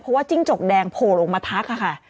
เพราะว่าจิ้งจกแดงโผล่ลงมาทักค่ะ